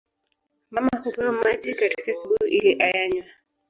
Mama hupewa maji katika kibuyu ili ayanywe